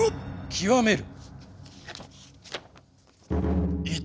極める！